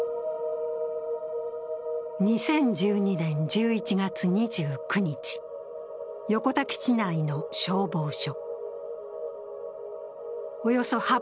２０１２年１１月２９日、横田基地内の消防署。